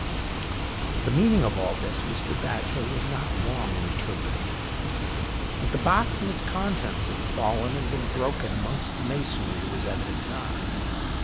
The meaning of all this Mr. Batchel was not long in interpreting. That the box and its contents had fallen and been broken amongst the masonry, was evident enough.